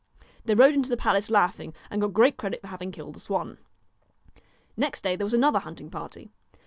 * They rode into the palace laughing, and got great credit for having killed the swan. Next day there was another hunting party.